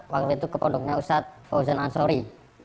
waktu itu ke pondoknya ustadz fawzan al ansuri